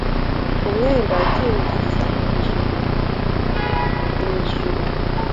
umwenda ukingiriza mwijuru mwijuru